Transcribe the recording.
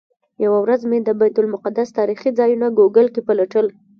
یوه ورځ مې د بیت المقدس تاریخي ځایونه ګوګل کې پلټل.